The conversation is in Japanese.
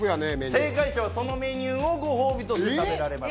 正解者はそのメニューをご褒美として食べられます。